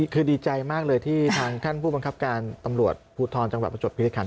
คือดีใจมากเลยที่ทางท่านผู้บังคับการตำรวจภูทรจังหวัดประจบภิริคัน